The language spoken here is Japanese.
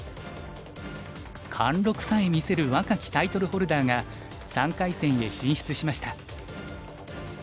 貫禄さえ見せる若きタイトルホルダーが３回戦へ進出しました。